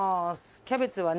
キャベツはね